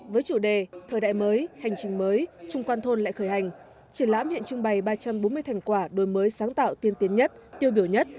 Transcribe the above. với chủ đề thời đại mới hành trình mới trung quan thôn lại khởi hành triển lãm hiện trưng bày ba trăm bốn mươi thành quả đổi mới sáng tạo tiên tiến nhất tiêu biểu nhất